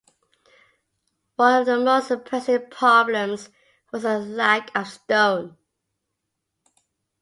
One of the most pressing problems was the lack of stone.